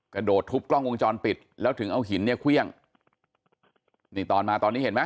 กระโดดทุบกล้องวงจรปิดแล้วถึงเอาหินเนี่ยเครื่องนี่ตอนมาตอนนี้เห็นไหม